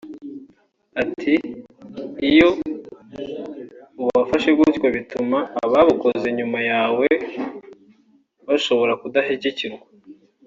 Ati “Iyo ubafashe gutyo bituma ababukoze nyuma yawe bashobora kudashyigikirwa